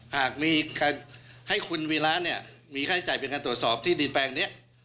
หากให้คุณวีระมีใครจ้างเป็นการตรวจสอบที่ดินแปลงนี้